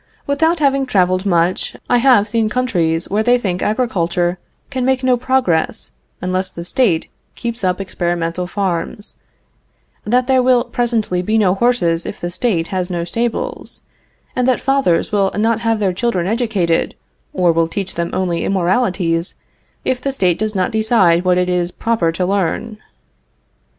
Without having traveled much, I have seen countries where they think agriculture can make no progress unless the State keeps up experimental farms; that there will presently be no horses if the State has no stables; and that fathers will not have their children educated, or will teach them only immoralities, if the State does not decide what it is proper to learn.